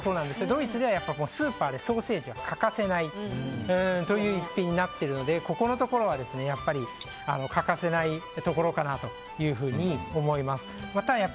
ドイツではスーパーでソーセージは欠かせないという一品になっているのでここのところは欠かせないところかなと思います。